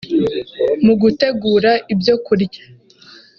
Mu gutegura ibyo kurya